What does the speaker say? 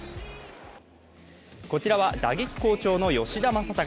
こちらは打撃好調の吉田正尚。